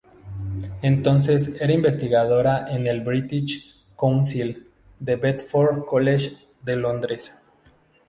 Entonces, era investigadora en el British Council, del Bedford College de Londres.